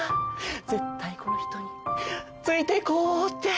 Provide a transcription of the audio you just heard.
絶対この人についていこうって。